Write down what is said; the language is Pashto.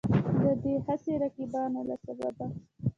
د دا هسې رقیبانو له سببه